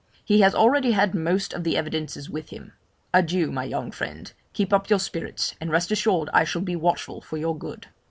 He has already had most of the evidences with him. Adieu! my young friend; keep up your spirits, and rest assured I shall be watchful for your good.